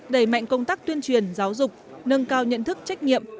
đẩy mạnh công tác tuyên truyền giáo dục nâng cao nhận thức trách nhiệm